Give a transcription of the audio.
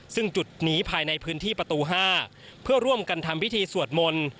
ซึ่งจุดนี้ภายในพื้นที่ประตู๕เพื่อร่วมกันทำพิธีสวดมนต์